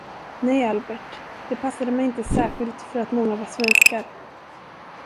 Nej, Albert, det passade mig inte särskilt för att många var svenskar!